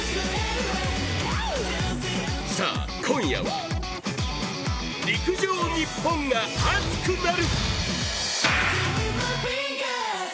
さあ、今夜は陸上日本が熱くなる！